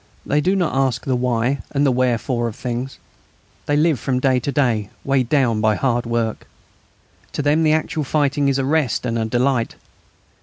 They do not ask the why and the wherefore of things. They live from day to day, weighed down by hard work. To them the actual fighting is a rest and a delight.